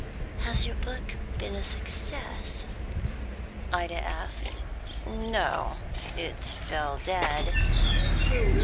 "Has your book been a success?" Ida asked. "No; it fell dead."